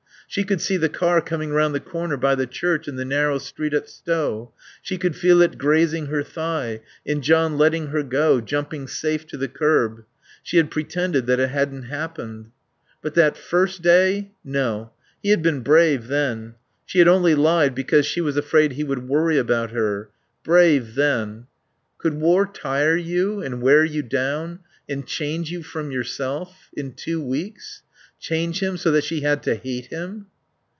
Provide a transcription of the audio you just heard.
She could see the car coming round the corner by the Church in the narrow street at Stow, she could feel it grazing her thigh, and John letting her go, jumping safe to the curb. She had pretended that it hadn't happened. But that first day No. He had been brave then. She had only lied because she was afraid he would worry about her.... Brave then. Could war tire you and wear you down, and change you from yourself? In two weeks? Change him so that she had to hate him!